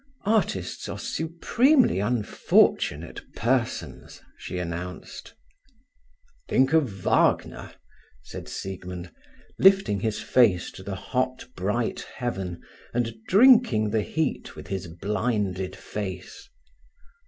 "Artists are supremely unfortunate persons," she announced. "Think of Wagner," said Siegmund, lifting his face to the hot bright heaven, and drinking the heat with his blinded face.